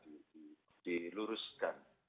itu bisa diluruskan